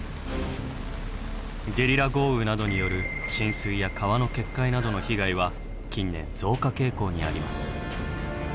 ゲリラ豪雨などによる浸水や川の決壊などの被害は近年増加傾向にあります。